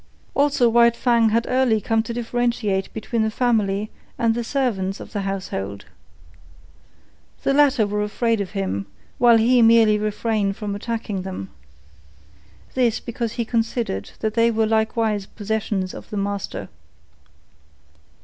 Also White Fang had early come to differentiate between the family and the servants of the household. The latter were afraid of him, while he merely refrained from attacking them. This because he considered that they were likewise possessions of the master.